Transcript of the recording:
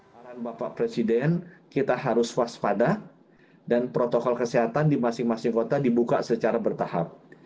para bapak presiden kita harus waspada dan protokol kesehatan di masing masing kota dibuka secara bertahap